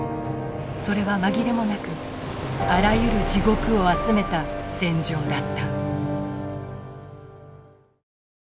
それは紛れもなくあらゆる地獄を集めた戦場だった。